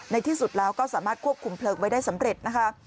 ในที่สุดแล้วก็สามารถควบคุมเพลิงไว้ได้สำเร็จนะคะ